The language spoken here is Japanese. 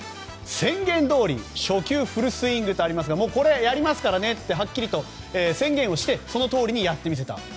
宣言どおり初球フルスイングとありますがこれは、やりますからねってはっきりと宣言をしてそのとおりにやってみせた。